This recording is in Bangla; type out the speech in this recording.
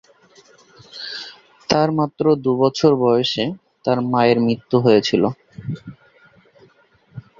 তাঁর মাত্র দুবছর বয়সে তাঁর মায়ের মৃত্যু হয়েছিল।